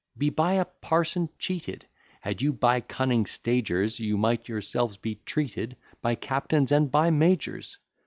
Be by a parson cheated! Had you been cunning stagers, You might yourselves be treated By captains and by majors.